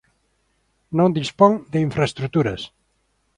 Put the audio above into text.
Non dispón de infraestruturas.